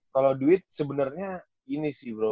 kalo duit sebenernya ini sih bro